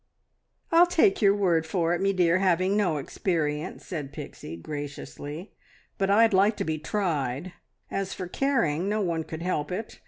"I'll take your word for it, me dear, having no experience," said Pixie graciously; "but I'd like to be tried. As for caring no one could help it.